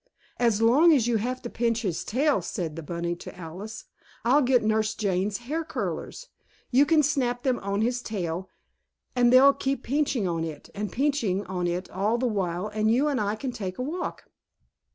"As long as you have to pinch his tail," said the bunny to Alice, "I'll get Nurse Jane's hair curlers. You can snap them on his tail and they'll keep pinching on it, and pinching on it all the while, and you and I can go take a walk."